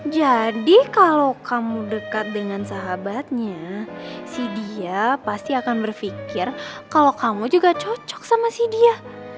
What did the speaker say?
jadi kalau kamu dekat dengan sahabatnya si dia pasti akan berpikir kalau kamu juga cocok sama si dia